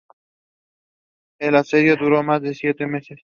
El asedio duró más de siete meses.